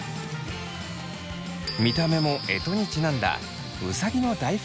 見た目も干支にちなんだうさぎの大福